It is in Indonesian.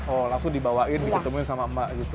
oh langsung dibawain diketemuin sama emak gitu